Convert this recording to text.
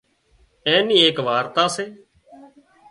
اين نِِي ايڪ وارتا سي